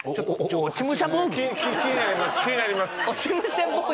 気になります。